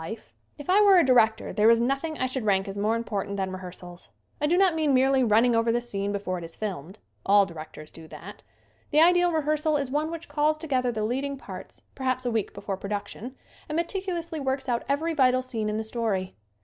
90 SCREEN ACTING If I were a director there is nothing I should rank as more important than rehearsals. I do not mean merely running over the scene before it is filmed. All directors do that. The ideal rehearsal is one which calls together the lead ing parts perhaps a week before production and meticulously works out every vital scene in the story.